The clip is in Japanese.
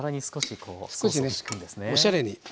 少しねおしゃれに。